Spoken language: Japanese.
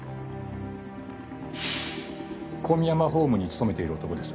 小宮山ホームに勤めている男です。